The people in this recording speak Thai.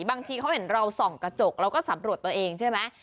บางทีเขาเห็นเราส่องกระจกเราก็สำรวจตัวเองใช่ไหม